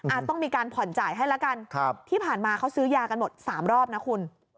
ต้องมีการผ่อนจ่ายให้แล้วกันครับที่ผ่านมาเขาซื้อยากันหมดสามรอบนะคุณ